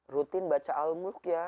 rutin baca al muluk ya